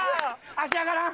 足上がらん？